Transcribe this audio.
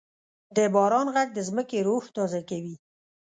د باران ږغ د ځمکې روح تازه کوي.